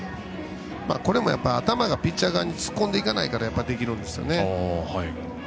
これも頭がピッチャー側に突っ込んでいかないからできるんですね。